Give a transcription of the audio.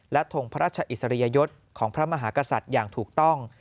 และทงพระราชอิสริยยศของพระมหากษัตริย์อย่างถูกต้อง